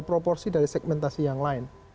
proporsi dari segmentasi yang lain